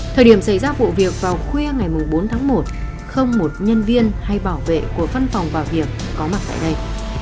thời điểm xảy ra vụ việc vào khuya ngày bốn tháng một không một nhân viên hay bảo vệ của văn phòng bảo việc có mặt tại đây